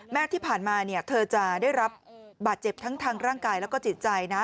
ที่ผ่านมาเธอจะได้รับบาดเจ็บทั้งทางร่างกายแล้วก็จิตใจนะ